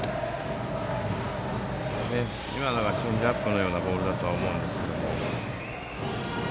今のはチェンジアップのようなボールだと思いますが。